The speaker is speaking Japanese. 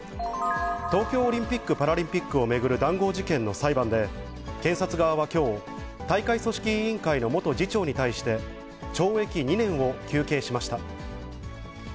東京オリンピック・パラリンピックを巡る談合事件の裁判で、検察側はきょう、大会組織委員会の元次長に対して、懲役２年を求刑しました。